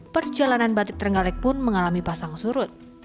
perjalanan batik terenggalek pun mengalami pasang surut